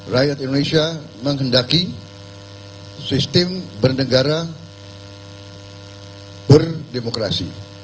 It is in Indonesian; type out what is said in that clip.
rakyat indonesia menghendaki sistem bernegara berdemokrasi